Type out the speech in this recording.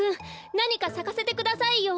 なにかさかせてくださいよ。